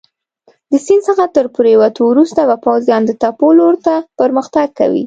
د سیند څخه تر پورېوتو وروسته به پوځیان د تپو لور ته پرمختګ کوي.